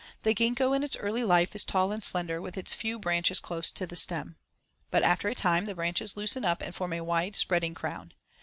The gingko in its early life is tall and slender with its few branches close to the stem. But after a time the branches loosen up and form a wide spreading crown.